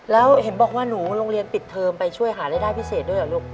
แล้วเห็นบอกว่าหนูโรงเรียนปิดเทอมไปช่วยหารายได้พิเศษด้วยเหรอลูก